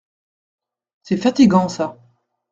C’est fatigant ça.